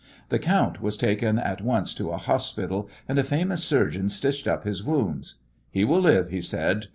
The count was taken at once to a hospital, and a famous surgeon stitched up his wounds. "He will live," he said.